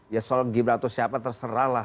ya soal gibran atau siapa terserahlah